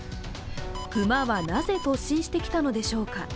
熊はなぜ突進してきたのでしょうか。